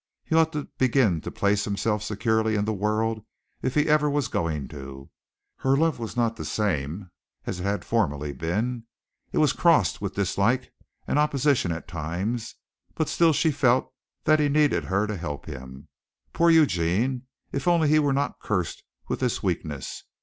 He ought to begin to place himself securely in the world if he ever was going to. Her love was not the same as it had formerly been. It was crossed with dislike and opposition at times, but still she felt that he needed her to help him. Poor Eugene if he only were not cursed with this weakness.